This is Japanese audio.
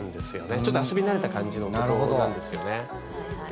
ちょっと遊び慣れた感じの男なんですよね。